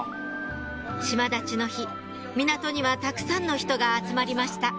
島立ちの日港にはたくさんの人が集まりました